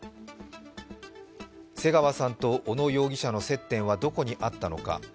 瀬川さんと小野容疑者の接点はどこにあったのか。